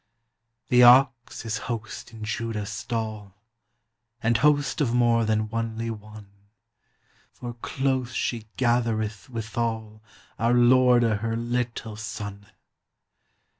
The Ox is host in Juda's stall, And Host of more than onelie one, For close she gathereth withal Our Lorde her littel Sonne.